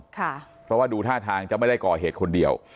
เพราะว่าดูท่าทางจะไม่ได้ก่อเหตุคนเดียว